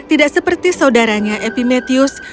tidak seperti saudaranya epimetheus